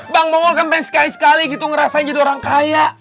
bang mongol kan pengen sekali sekali gitu ngerasain jadi orang kaya